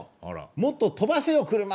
もっと飛ばせよ！車」。